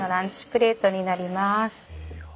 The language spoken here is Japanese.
プレートになります。